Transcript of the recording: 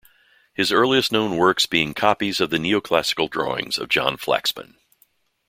his earliest known works being copies of the Neoclassical drawings of John Flaxman.